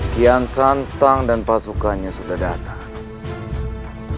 kian santang dan pasukannya sudah datang